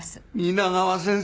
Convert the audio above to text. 皆川先生！